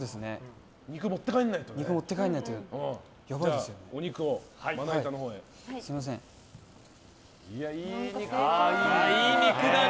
肉、持って帰んないとね。